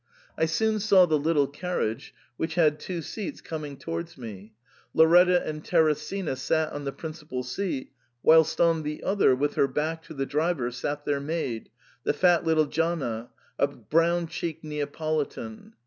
I soon saw the little carriage, which had two seats, coming to wards me. Lauretta and Teresina sat on the principal seat, whilst on the other, with her back to the driver, sat their maid, the fat little Gianna, a brown cheeked Neapolitan.